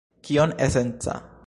Kiom esenca?